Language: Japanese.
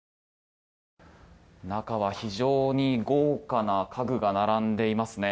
中は非常に豪華な家具が並んでいますね。